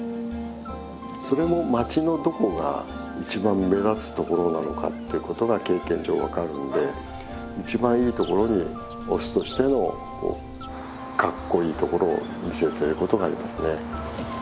それも街のどこが一番目立つ所なのかってことが経験上分かるんで一番いい所にオスとしてのかっこいいところを見せてることがありますね。